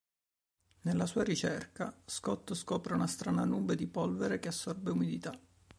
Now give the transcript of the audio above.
Nella sua ricerca, Scott scopre una strana nube di polvere che assorbe umidità.